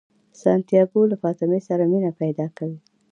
سانتیاګو له فاطمې سره مینه پیدا کوي.